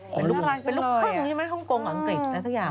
เป็นลูกครึ่งใช่ไหมฮ่องกงอังกฤษอะไรสักอย่าง